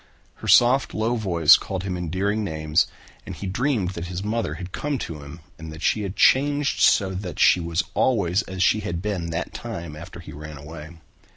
Her soft low voice called him endearing names and he dreamed that his mother had come to him and that she had changed so that she was always as she had been that time after he ran away.